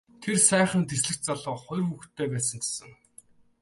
Тэр сайхан дэслэгч залуу хоёр хүүхэдтэй байсан гэсэн.